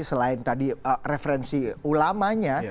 selain tadi referensi ulamanya